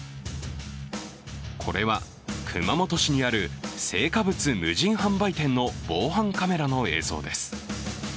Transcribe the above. これは熊本市にある青果物無人販売店の防犯カメラの映像です。